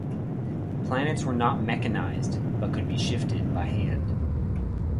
Planets were not mechanized, but could be shifted by hand.